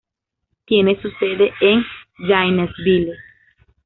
Tiene su sede en Gainesville.